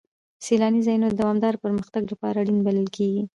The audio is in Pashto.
سیلاني ځایونه د دوامداره پرمختګ لپاره اړین بلل کېږي.